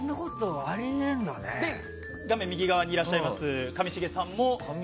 画面右側にいらっしゃいます上重さんも。